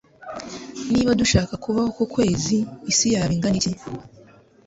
Niba dushaka kubaho ku kwezi, isi yaba ingana iki?